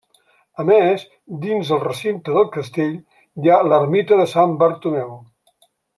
A més, dins el recinte del castell, hi ha l'ermita de Sant Bartomeu.